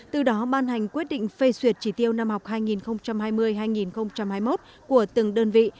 từ đó ban hành quyết định phê duyệt chỉ tiêu năm học hai nghìn hai mươi hai nghìn hai mươi một của từng đơn vị